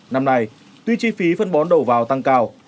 năm nay tuy chi phí phân bón đầu vào tăng cao